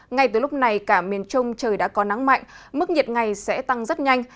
ngay từ lúc này cả miền trung trời đã có nắng mạnh mức nhiệt ngày sẽ tăng rất nhanh